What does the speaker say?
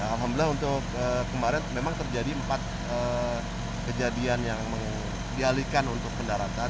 alhamdulillah untuk kemarin memang terjadi empat kejadian yang dialihkan untuk pendaratan